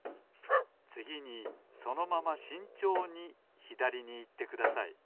つぎにそのまましんちょうにひだりにいってください